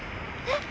えっ！